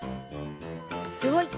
すごい！